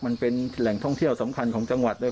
มันเป็นแหล่งท่องเที่ยวสำคัญของจังหวัดเลย